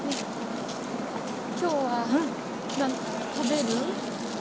きょうはなんか食べる？